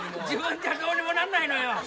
自分じゃどうにもなんないのよ。